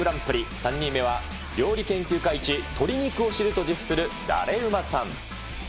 ３人目は料理研究家イチ鶏肉を知ると自負するだれウマさん。